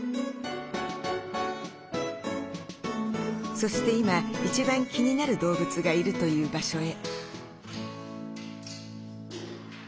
そして今一番気になる動物がいるという場所へ。